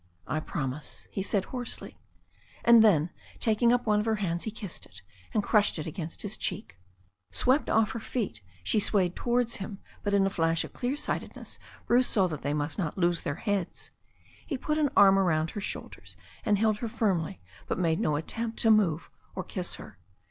"I promise," he said hoarsely ; and then, taking up one of her hands, he kissed it, and crushed it against his cheek. Swept off her feet, she swayed towards him, but in a flash of clear sightedness Bruce saw that they must not lose their heads. He put an arm about her shoulders, and held her firmly, but made no attempt to move or kiss her.